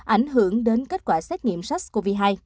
ảnh hưởng đến kết quả xét nghiệm sars cov hai